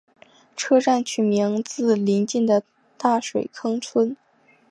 车站取名自邻近的大水坑村。